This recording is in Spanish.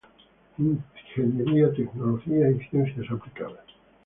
Ingeniería, Tecnología y Ciencias aplicadas.